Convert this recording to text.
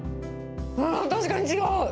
確かに違う。